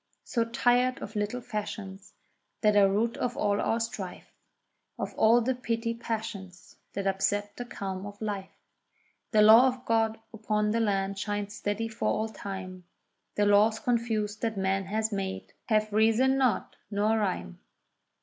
So tired of little fashions that are root of all our strife, Of all the petty passions that upset the calm of life. The law of God upon the land shines steady for all time; The laws confused that man has made, have reason not nor rhyme.